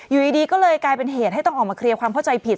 อยู่ดีก็เลยกลายเป็นเหตุให้ต้องออกมาเคลียร์ความเข้าใจผิด